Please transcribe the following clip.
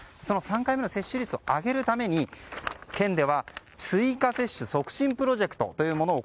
３回目の接種率を上げるために県では、追加接種促進プロジェクトというものを